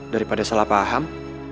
daripada salah paham